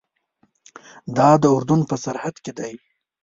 دا د اردن په سرحد کې دی.